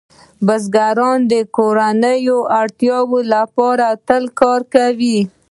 بزګرانو د کورنیو اړتیاوو لپاره تل کار کاوه.